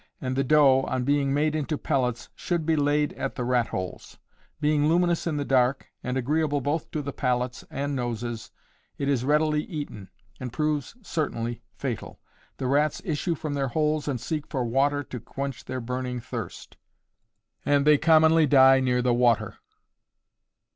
and the dough, on being made into pellets, should be laid at the rat holes; being luminous in the dark, and agreeable both to the palates and noses, it is readily eaten, and proves certainly fatal. The rats issue from their holes and seek for water to quench their burning thirst, and they commonly die near the water.